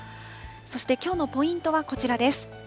そしてきょうのポイントはこちらです。